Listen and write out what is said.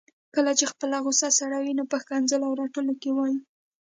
کله چي خپله غصه سړوي نو په ښکنځلو او رټلو کي وايي